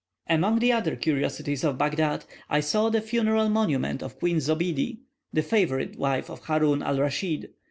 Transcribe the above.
Among the other curiosities of Baghdad, I saw the funeral monument of Queen Zobiede, the favourite wife of Haroun al Raschid.